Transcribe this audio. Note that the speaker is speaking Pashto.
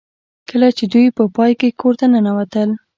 کله چې دوی په پای کې کور ته ننوتل